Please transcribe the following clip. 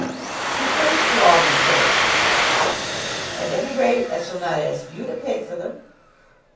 "Who pays for all these horses?" "At any rate I shall not ask you to pay for them."